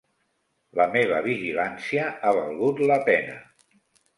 La meva vigilància ha valgut la pena.